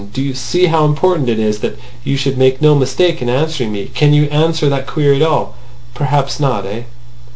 Do you see how important it is that you should make no mistake in answering me? Can you answer that query at all? Perhaps not. Eh?"